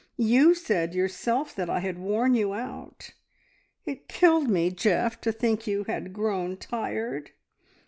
You said yourself that I had worn you out. It killed me, Geoff, to think you had grown tired!"